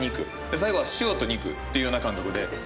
最後は塩と肉というような感覚で。